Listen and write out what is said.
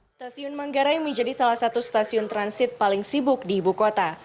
stasiun manggarai menjadi salah satu stasiun transit paling sibuk di ibu kota